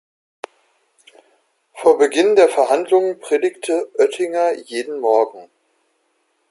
Vor Beginn der Verhandlungen predigte Öttinger jeden Morgen.